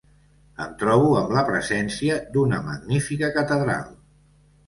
Em trobo amb la presència d'una magnífica catedral.